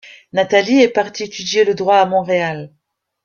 Nathalie est partie étudier le droit à Montréal.